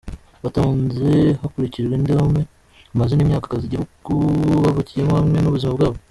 Batonze hakurikijwe indome, amazina, imyaka, akazi igihugu bavukiyemwo hamwe n'ubuzima bwabo.